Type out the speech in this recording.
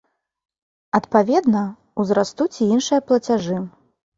Адпаведна, узрастуць і іншыя плацяжы.